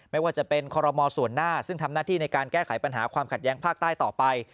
ไม่ว่าจะเป็นคอรมอลส่วนหน้าซึ่งทำหน้าที่ในการแก้ไขปัญหาความขัดแย้งภาคใต้ต่อไป